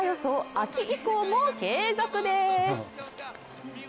秋以降も継続です。